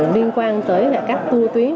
liên quan tới các tu tiến